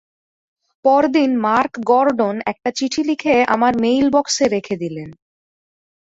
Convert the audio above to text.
পরদিন Mark Gordon একটি চিঠি লিখে আমার মেইল বক্সে রেখে দিলেন।